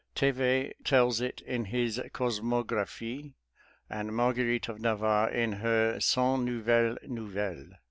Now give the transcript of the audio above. Thevet tells it in his "Cosmographie," and Marguerite of Navarre in her "Cent Nouvelles Nouvelles."